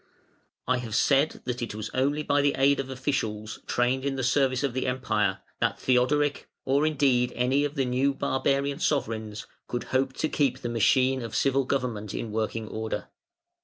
I have said that it was only by the aid of officials, trained in the service of the Empire that Theodoric, or indeed any of the new barbarian sovereigns, could hope to keep the machine of civil government in working order.